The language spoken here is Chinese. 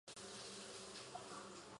多变尻参为尻参科尻参属的动物。